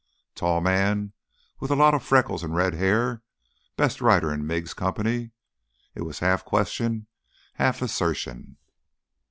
"Tall man, with a lot of freckles and red hair? Best rider in Miggs' Company——" It was half question, half assertion.